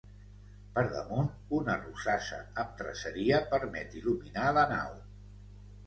Per damunt, una rosassa amb traceria permet il·luminar la nau.